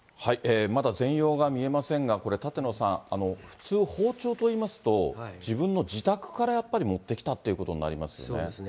まだ全容が見えませんが、これ、舘野さん、普通、包丁といいますと、自分の自宅からやっぱり、持ってきたっていうことになりますよね。